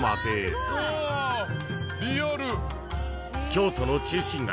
［京都の中心街